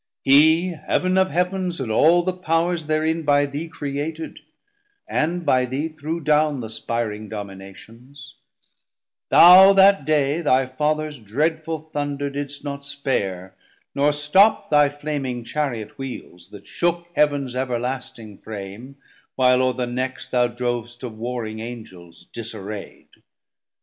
Hee Heav'n of Heavens and all the Powers therein 390 By thee created, and by thee threw down Th' aspiring Dominations: thou that day Thy Fathers dreadful Thunder didst not spare, Nor stop thy flaming Chariot wheels, that shook Heav'ns everlasting Frame, while o're the necks Thou drov'st of warring Angels disarraid.